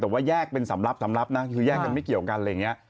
แต่ว่าแยกเป็นสำลับสำหรับนะคือแยกกันไม่เกี่ยวกันอะไรอย่างนี้